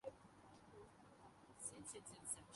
boxer Muhammad Waseem ایک مرتبہ پھر میدان میں اترنےکیلئے تیار ہیں